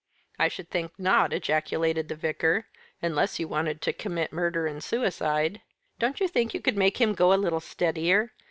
"I should think not," ejaculated the Vicar; "unless you wanted to commit murder and suicide. Don't you think you could make him go a little steadier?